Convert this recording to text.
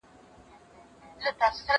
کېدای شي اوبه سړې وي؟!